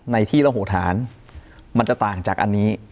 ในที่ระโหธานมันจะต่างจากอันนี้